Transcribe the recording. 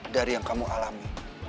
dari yang kamu alami